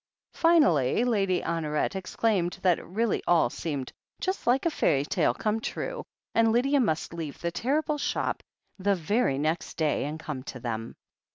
... Finally Lady Honoret exclaimed that it really all seemed just like a fai'y tale come true, and Lydia must leave the terrible shop the very next day and come to them.